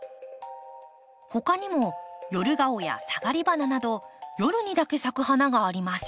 他にもヨルガオやサガリバナなど夜にだけ咲く花があります。